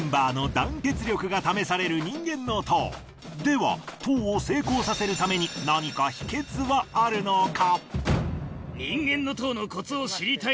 メンバーのでは塔を成功させるために何か秘訣はあるのか？